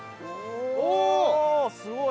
おおすごい！